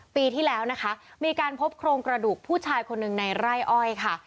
ปีที่แล้วนะคะมีการพบโครงกระดูกผู้ชายคนหนึ่งในไร่อ้อยค่ะ